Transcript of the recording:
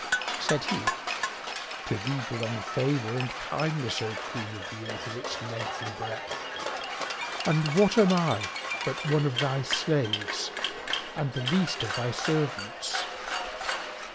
Said he, "To thee belong favour and kindness, O Queen of the earth in its length and breadth; and what am I but one of thy slaves and the least of thy servants.